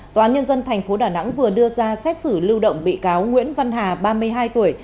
tòa án nhân dân tp đà nẵng vừa đưa ra xét xử lưu động bị cáo nguyễn văn hà ba mươi hai tuổi